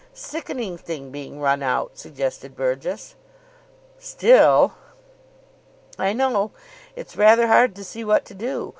"Sickening thing being run out," suggested Burgess. "Still " "I know. It's rather hard to see what to do.